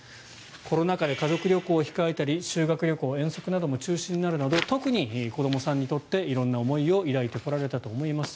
コロナ禍で家族旅行を控えたり修学旅行・遠足なども中止になるなど特に子どもさんにとって色んな思いを抱いてこられたと思います。